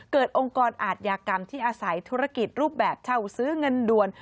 องค์กรอาทยากรรมที่อาศัยธุรกิจรูปแบบเช่าซื้อเงินด่วน